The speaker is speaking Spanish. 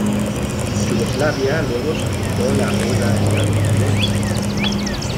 Yugoslavia luego solicitó la ayuda estadounidense.